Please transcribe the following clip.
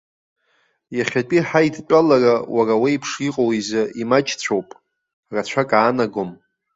Иахьатәи ҳаидтәалара уара уеиԥш иҟоу изы имаҷцәоуп, рацәак аанагом.